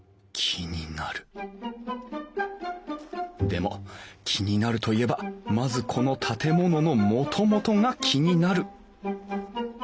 でも気になるといえばまずこの建物のもともとが気になる。